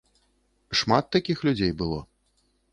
Шмат такіх людзей было.